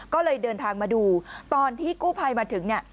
ก็เลยเดินทางมาดูตอนที่กู้ภัยมาถึงเนี่ย